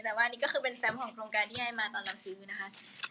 แต่ว่านี่ก็คือเป็นแฟมของโครงการที่ให้มาตอนรับซื้อนะคะ